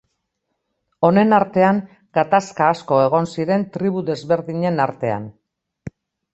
Honen artean gatazka asko egon ziren tribu desberdinen artean.